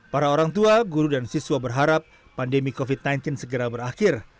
para orang tua guru dan siswa berharap pandemi covid sembilan belas segera berakhir